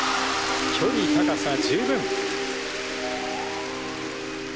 距離高さ十分。